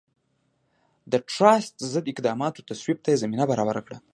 د ټراست ضد اقداماتو تصویب ته یې زمینه برابره کړه.